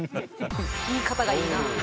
言い方がいいな。